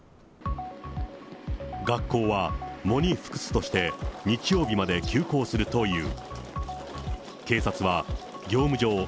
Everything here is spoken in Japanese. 学校は、喪に服すとして、日曜日まで休校するという。